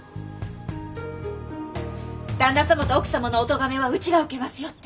旦那様と奥様のお咎めはうちが受けますよって。